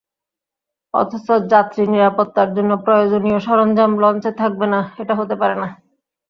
অথচ যাত্রীনিরাপত্তার জন্য প্রয়োজনীয় সরঞ্জাম লঞ্চে থাকবে না, এটা হতে পারে না।